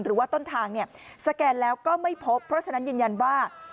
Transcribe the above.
หรือว่าต้นทางเนี่ยสแกนแล้วก็ไม่พบเพราะฉะนั้นยืนยันว่า